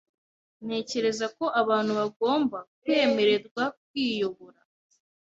Ntekereza ko abantu bagomba kwemererwa kwiyobora .